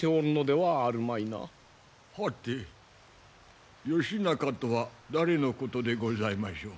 はて義仲とは誰のことでございましょう。